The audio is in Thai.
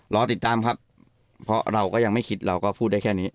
รอติดตามครับเพราะเราก็ยังไม่คิดเราก็พูดได้แค่นี้